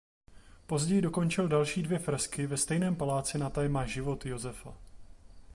Později dokončil další dvě fresky ve stejném paláci na téma "Život Josefa".